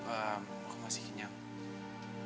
aku masih kinyam